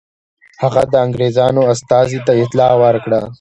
هغه د انګرېزانو استازي ته اطلاع ورکړه.